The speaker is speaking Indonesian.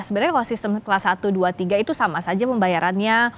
sebenarnya kalau sistem kelas satu dua tiga itu sama saja pembayarannya